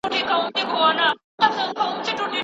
ډيجيټلي ثبت اسناد منظم ساتي او لاسرسی په آسانۍ برابروي.